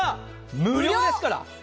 無料ですから。